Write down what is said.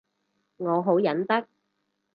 我好忍得